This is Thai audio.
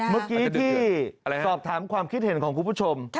เมื่อกี้ที่สอบถามความคิดเห็นของคุณผู้ชม